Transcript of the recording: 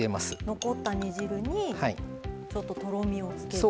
残った煮汁にちょっととろみをつける。